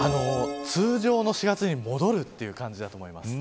通常の４月に戻るという感じだと思います。